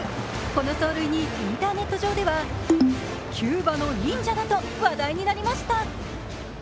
この走塁にインターネット上ではキューバの忍者だと話題になりました。